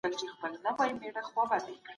او د رڼا په لور یې رهبري کړ.